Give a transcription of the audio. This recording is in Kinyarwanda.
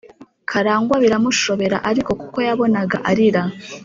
Karangwa biramushobera ariko kuko yabonagaarira